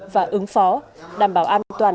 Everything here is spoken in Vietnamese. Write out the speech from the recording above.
và ứng phó đảm bảo an toàn